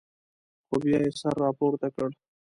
خو بیا یې سر راپورته کړ.